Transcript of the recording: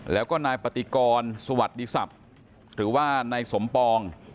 แล้วก็นายปฏิกรสวัสดีศัพท์หรือว่านายสมปอง